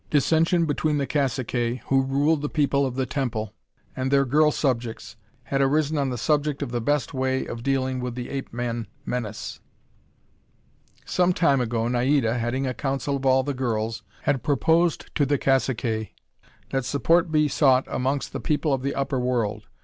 Dissension between the caciques, who ruled the People of the Temple, and their girl subjects, had arisen on the subject of the best way of dealing with the ape man menace. Some time ago, Naida, heading a council of all the girls, had proposed to the caciques that support be sought amongst the people of the upper world.